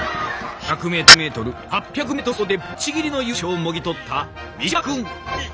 １００ｍ４００ｍ８００ｍ走でぶっちぎりの優勝をもぎ取った三島君！